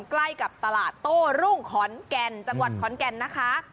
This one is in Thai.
ใกล้กับตลาดโต้รุ่งขอนแก่นจังหวัดขอนแก่นนะคะ